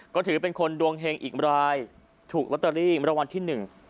ก็ถือเป็นคนดวงเฮงอีกรายถูกลอตเตอรี่รางวัลที่หนึ่ง